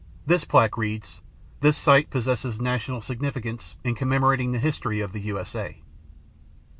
This plaque reads, "This site possesses national significance in commemorating the history of the U.S.A."